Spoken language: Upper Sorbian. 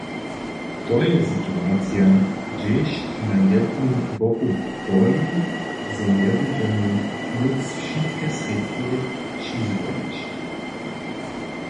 To je situacija, hdźež na jednym boku boli, zo njebudźemy móc wšitke srědki přizwolić.